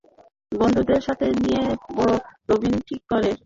বন্ধুদের সাথে নিয়ে রবিন ঠিক করে এই ডাকাতদের ধরিয়ে দেয়ার।